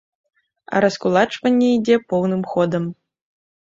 А раскулачванне ідзе поўным ходам!